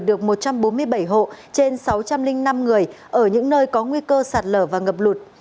được một trăm bốn mươi bảy hộ trên sáu trăm linh năm người ở những nơi có nguy cơ sạt lở và ngập lụt